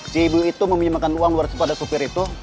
si ibu itu meminjamkan uang pada sopir itu